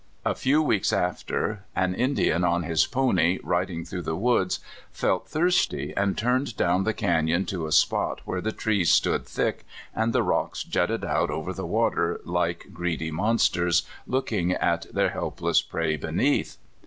A few weeks after, an Indian on his pony, riding through the woods, felt thirsty, and turned down the canyon to a spot where the trees stood thick, 86 CALIFORNIA SKETCHES. and the rocks jutted out over the water hke greedy monsters looking at their helpless prey beneath.